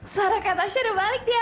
suara kak tasya udah balik tiara